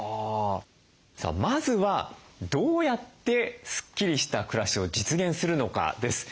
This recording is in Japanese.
さあまずはどうやってスッキリした暮らしを実現するのかです。